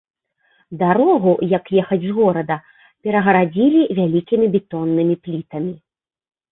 Дарогу, як ехаць з горада, перагарадзілі вялікімі бетоннымі плітамі.